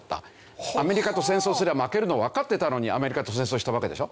アメリカと戦争すれば負けるのはわかってたのにアメリカと戦争したわけでしょ？